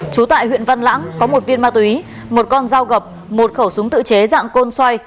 trú tại huyện văn lãng có một viên ma túy một con dao gập một khẩu súng tự chế dạng côn xoay